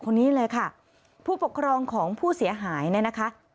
คนนี้เลยค่ะผู้ปกครองของผู้เสียหายเนี่ยนะคะ